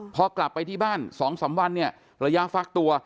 พอกลับไปที่บ้าน๒๓วันเนี่ยระยะฟักตัว